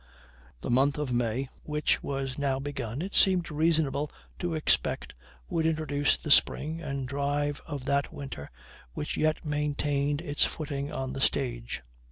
The month of May, which was now begun, it seemed reasonable to expect would introduce the spring, and drive of that winter which yet maintained its footing on the stage.